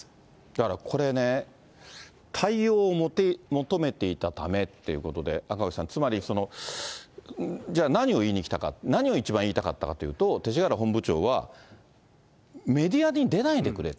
だからこれね、対応を求めていたためということで、赤星さん、つまり、じゃあ何を言いに来たか、何を一番言いたかったかっていうと、勅使河原本部長は、メディアに出ないでくれ。